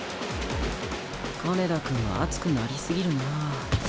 金田君は熱くなり過ぎるなあ。